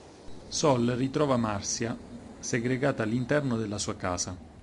Sol ritrova Marcia, segregata all'interno della sua casa.